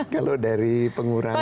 kalau dari pengurangan